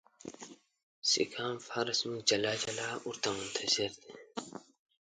سیکهان په هره سیمه کې جلا جلا ورته منتظر دي.